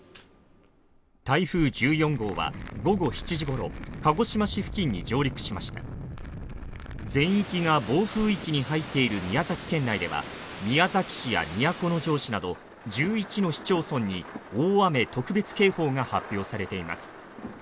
台風１４号は午後７時ごろ鹿児島市付近に上陸しました全域が暴風域に入っている宮崎県内では宮崎市や都城市など１１の市町村に大雨特別警報が発表されています